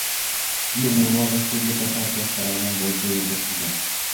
Бузуулар Республика партиясы тарабынан болду деген жокпуз да.